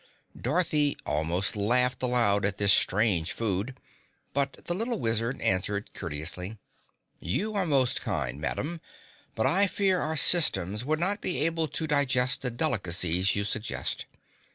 Dorothy almost laughed aloud at this strange food, but the little Wizard answered courteously, "You are most kind, Madame, but I fear our systems would not be able to digest the delicacies you suggest.